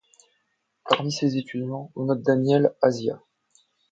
Parmi ses étudiants on note Daniel Asia.